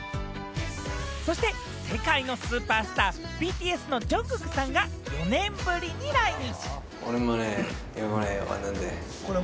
そして世界のスーパースターＢＴＳのＪＵＮＧＫＯＯＫさんが４年ぶりに来日。